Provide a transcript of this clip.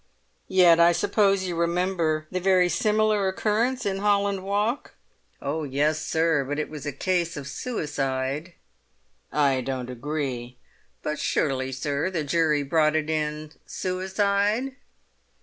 "Yet I suppose you remember the very similar occurrence in Holland Walk?" "Oh yes, sir, but it was a case of suicide." "I don't agree." "But surely, sir, the jury brought it in suicide?"